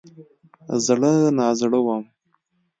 زړه نازړه وم.